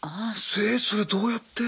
えそれどうやって？